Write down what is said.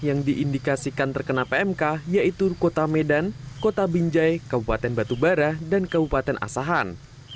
yang diindikasikan terkena pmk yaitu kota medan kota binjai kabupaten batubara dan kabupaten asahan